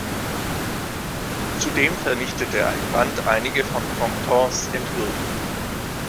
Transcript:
Zudem vernichtete ein Brand einige von Comtes Entwürfen.